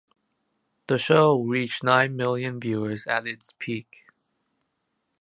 The show reached nine million viewers at its peak.